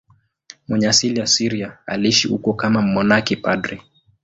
Mwenye asili ya Syria, aliishi huko kama mmonaki padri.